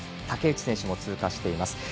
竹内選手も通過しています。